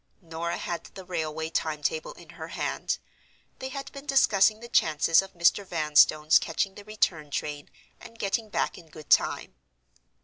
Norah had the railway time table in her hand. They had been discussing the chances of Mr. Vanstone's catching the return train and getting back in good time.